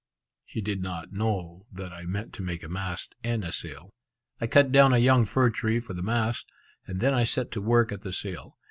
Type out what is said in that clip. He did not know that I meant to make a mast and sail. I cut down a young fir tree for the mast, and then I set to work at the sail.